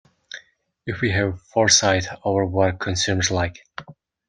If we have foresight over what consumers like.